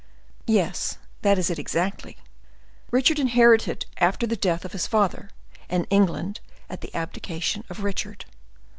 "Yes, that is it exactly. Richard inherited after the death of his father, and England at the abdication of Richard.